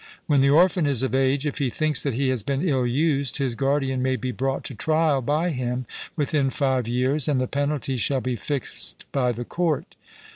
When the orphan is of age, if he thinks that he has been ill used, his guardian may be brought to trial by him within five years, and the penalty shall be fixed by the court.